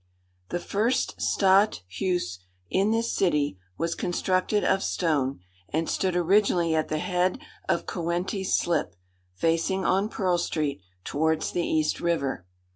The first Stadt Huys in this city was constructed of stone, and stood originally at the head of Coenties Slip, facing on Pearl Street, towards the East river.